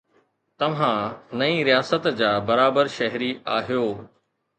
توهان نئين رياست جا برابر شهري آهيو.